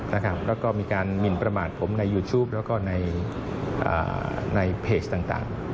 แล้วก็มีการหมินประมาทผมในยูทูปแล้วก็ในเพจต่าง